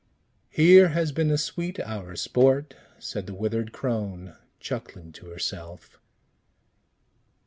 "Here has been a sweet hour's sport!" said the withered crone, chuckling to herself.